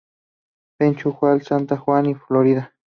Penco, Hualqui, Santa Juana y Florida.